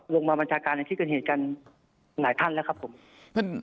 บัญชาการในที่เกิดเหตุกันหลายท่านแล้วครับผมอืม